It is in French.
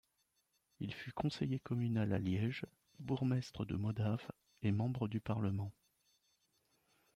Il fut conseiller communal à Liège, bourgmestre de Modave et membre du parlement.